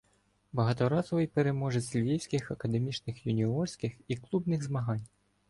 Багаторазовий переможець львівських академічних, юніорських і клубних змагань.